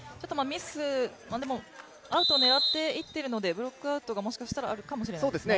アウトを狙っていっているので、ブロックアウトがもしかしたらあるかもしれないですね。